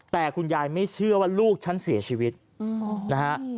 แต่คุณยายไม่เชื่อว่าลูกฉันเสียชีวิตนะฮะ